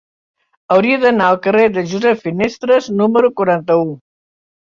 Hauria d'anar al carrer de Josep Finestres número quaranta-u.